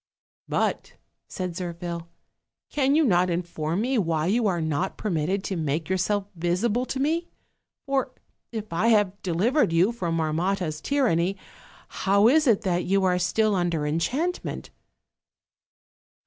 "But," said Zirphil, "can you not inform me why you are not permitted to make yourself visible to me? For, if I have delivered you from Marmotta's tyranny, hoAV is it that you are still under enchantment?"